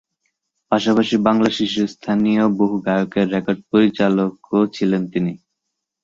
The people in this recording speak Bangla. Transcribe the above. পাশাপাশি বাংলার শীর্ষস্থানীয় বহু গায়কের রেকর্ড-পরিচালকও ছিলেন তিনি।